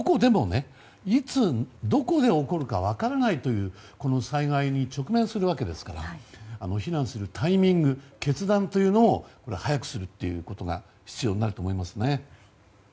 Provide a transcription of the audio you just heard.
いつ、どこで起こるか分からないという災害に直面するわけですから避難するタイミング決断というのを早くするということが必要になると思いますね。